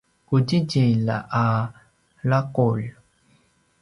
qudjidjilj a laqulj